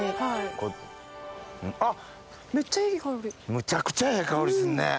むちゃくちゃええ香りするね。